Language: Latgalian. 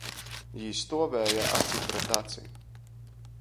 Jī stuovēja aci pret aci.